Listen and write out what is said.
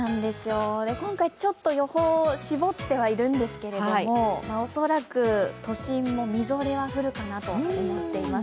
今回、ちょっと予報を絞ってはいるんですけども、恐らく都心もみぞれは降るかなと思っております。